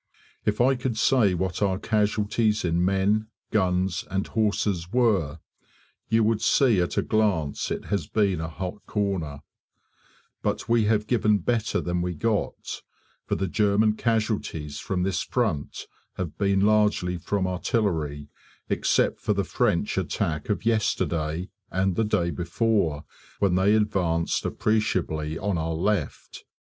If I could say what our casualties in men, guns, and horses were, you would see at a glance it has been a hot corner; but we have given better than we got, for the German casualties from this front have been largely from artillery, except for the French attack of yesterday and the day before, when they advanced appreciably on our left.